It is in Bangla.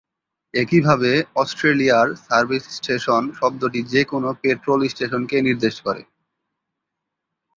একইভাবে, অস্ট্রেলিয়ায়, "সার্ভিস স্টেশন" শব্দটি যে কোনও পেট্রোল স্টেশনকে নির্দেশ করে।